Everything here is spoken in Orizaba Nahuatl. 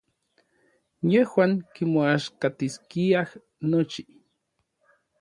Yejuan kimoaxkatiskiaj nochi.